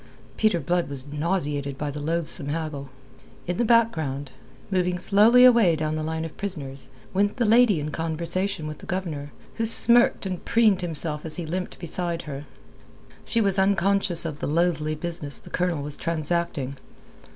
Peter Blood was nauseated by the loathsome haggle. In the background, moving slowly away down the line of prisoners, went the lady in conversation with the Governor, who smirked and preened himself as he limped beside her. She was unconscious of the loathly business the Colonel was transacting.